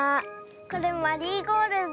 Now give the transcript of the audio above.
これマリーゴールド。